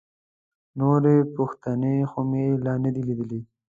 نورې پوښتنې خو مې لا نه دي لیدلي.